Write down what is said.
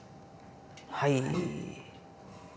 はい。